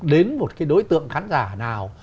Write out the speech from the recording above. đến một cái đối tượng khán giả nào